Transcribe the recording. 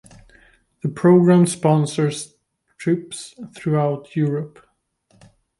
The program sponsors trips throughout Europe.